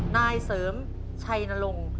นายเสริมชัยนรงค์